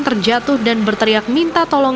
terjatuh dan berteriak minta tolong